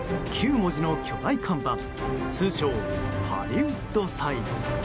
９文字の巨大看板通称、ハリウッド・サイン。